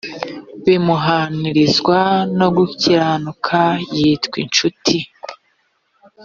bimuhwanirizwa no gukiranuka yitwa incuti